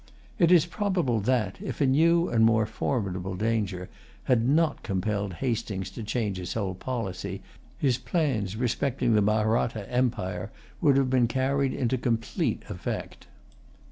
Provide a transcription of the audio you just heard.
It is probable that, if a new and more formidable danger had not compelled Hastings to change his whole policy, his plans respecting the Mahratta empire would have been carried into complete effect.